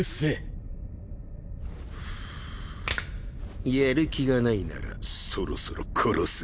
パキッやる気がないならそろそろ殺すが？